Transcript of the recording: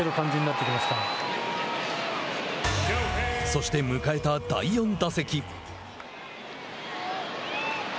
そして、迎えた第４打席。